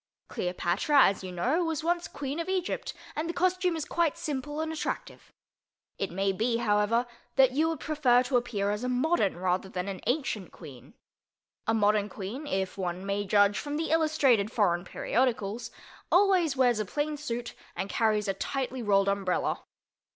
Cleopatra, as you know, was once Queen of Egypt and the costume is quite simple and attractive. It may be, however, that you would prefer to appear as a modern rather than an ancient queen. A modern Queen (if one may judge from the illustrated foreign periodicals) always wears a plain suit and carries a tightly rolled umbrella.